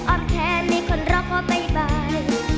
ออกแทนในคนรักขอบใบบาย